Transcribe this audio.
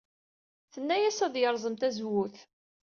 Tenna-as ad yerẓem tazewwut.